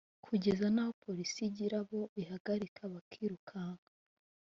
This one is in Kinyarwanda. kugeza n’aho Polisi igira abo ihagarika bakirukanka